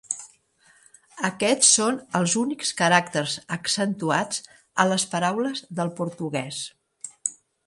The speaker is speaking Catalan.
Aquests són els únics caràcters accentuats a les paraules del portuguès.